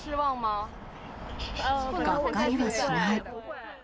がっかりはしない。